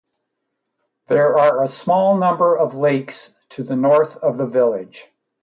There are a number of small lakes to the north of the village.